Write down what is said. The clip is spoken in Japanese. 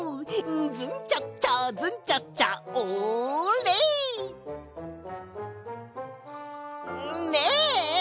「ズンチャッチャズンチャッチャオーレ！」ねえ！